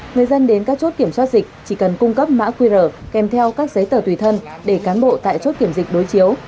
người dân đến các chốt kiểm soát dịch chỉ cần cung cấp mã qr kèm theo các giấy tờ tùy thân để cán bộ tại chốt kiểm dịch đối chiếu